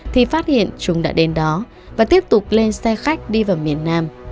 thì phát hiện chúng đã đến đó và tiếp tục lên xe khách đi vào miền nam